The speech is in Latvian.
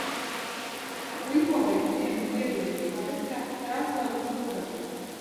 Kuļbova ir ciems Piedrujas pagastā, Krāslavas novadā.